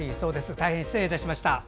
大変、失礼いたしました。